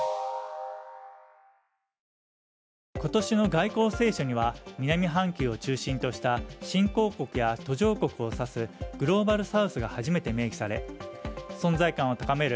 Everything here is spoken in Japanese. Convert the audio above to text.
今年の外交青書には南半球を中心とした新興国や途上国を指すグローバルサウスが初めて明記され存在感を高める